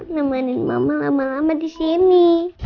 nemanin mama lama lama disini